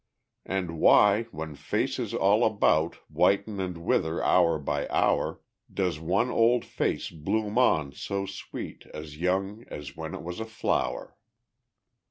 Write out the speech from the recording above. And why, when faces all about Whiten and wither hour by hour, Does one old face bloom on so sweet, As young as when it was a flower_?